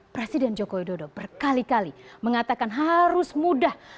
presiden joko widodo berkali kali mengatakan harus mudah